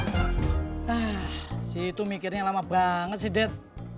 ah si itu mikirnya lama banget sih det